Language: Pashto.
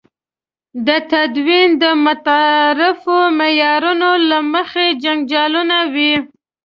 د تدین د متعارفو معیارونو له مخې جنجالونه وي.